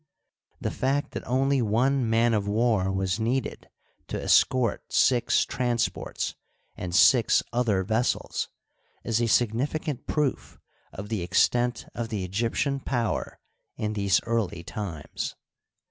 The fact that only one man of war was needed to escort six transports and six other vessels is a significant proof of the extent of the Egyptian power in these early times.